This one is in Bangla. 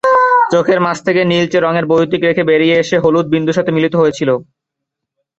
চোখের মাঝ থেকে নীলচে রঙের বৈদ্যুতিক রেখে বেরিয়ে এসে হলুদ বিন্দুর সাথে মিলিত হয়েছিল।